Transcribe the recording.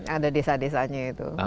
ada desa desanya itu